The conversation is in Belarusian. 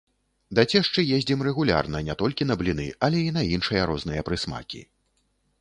Да цешчы ездзім рэгулярна не толькі на бліны, але і на іншыя розныя прысмакі.